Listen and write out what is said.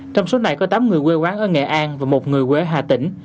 trong số này có tám người quê quán ở nghệ an và một người quê ở hà tĩnh